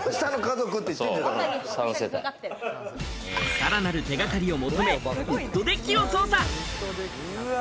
さらなる手掛かりを求め、ウッドデッキを捜査。